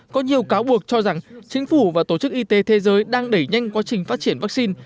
có nhiều cáo buộc cho rằng chính phủ và tổ chức y tế thế giới đang đẩy nhanh quá trình phát triển vaccine